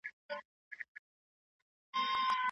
حکومتي چاري بايد بې نظمه پرې نه ښودل سي.